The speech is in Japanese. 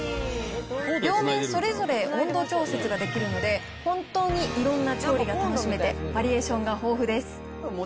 両面それぞれ温度調節ができるので、本当にいろんな調理が楽しめて、バリエーションが豊富です。